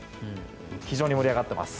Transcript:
非常に盛り上がってます。